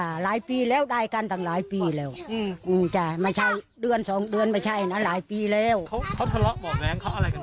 จ้ะหลายปีแล้วได้กันตั้งหลายปีแล้วไม่ใช่เดือนสองเดือนไม่ใช่นะหลายปีแล้ว